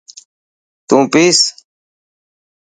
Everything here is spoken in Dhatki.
تون پيس.